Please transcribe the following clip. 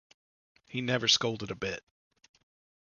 He never scolded a bit.